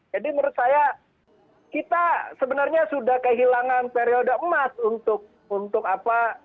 jadi menurut saya kita sebenarnya sudah kehilangan periode emas untuk apa